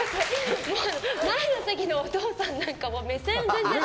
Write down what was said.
前の席のお父さんなんか目線が全然。